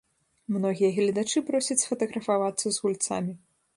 Многія гледачы просяць сфатаграфавацца з гульцамі.